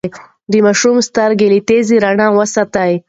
د ماشوم سترګې له تیزې رڼا وساتئ.